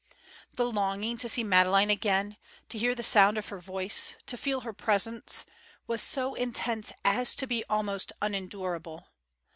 The longing to see Madeleine again, to hear the sound of her voice, to feel her presence, was so intense as to be almost unendurable.